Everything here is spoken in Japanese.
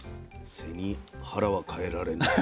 背に腹はかえられない。